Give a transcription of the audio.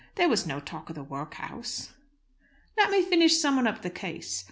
There was no talk of the workhouse." "Let me finish summing up the case.